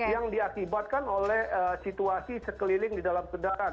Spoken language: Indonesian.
yang diakibatkan oleh situasi sekeliling di dalam kendaraan